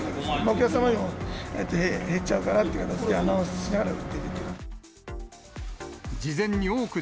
お客様にも、減っちゃうからっていう形でアナウンスしながら売っていく。